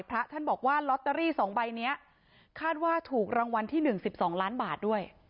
พระท่านบอกว่าลอตเตอรี่๒ใบนี้คาดว่าถูกรางวัลที่๑๑๒ล้านบาทด้วย